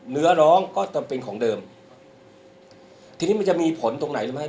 เนื้อร้องก็จะเป็นของเดิมทีนี้มันจะมีผลตรงไหนรู้ไหม